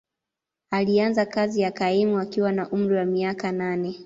Alianza kazi ya kaimu akiwa na umri wa miaka nane.